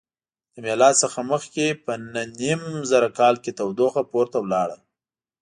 له میلاد څخه مخکې په نهه نیم زره کال کې تودوخه پورته لاړه.